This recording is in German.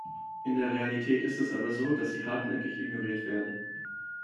In der Realität ist es aber so, dass sie hartnäckig ignoriert werden.